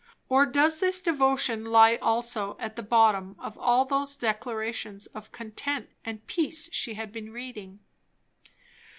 Or does this devotion lie also at the bottom of all those declarations of content and peace she had been reading?